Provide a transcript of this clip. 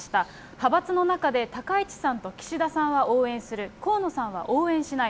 派閥の中で高市さんと岸田さんは応援する、河野さんは応援しない。